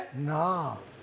なあ。